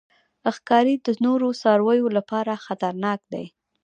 ښکاري د نورو څارویو لپاره خطرناک دی.